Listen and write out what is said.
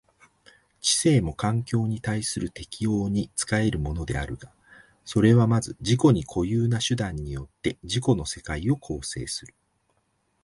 知性も環境に対する適応に仕えるものであるが、それはまず自己に固有な手段によって自己の世界を構成する。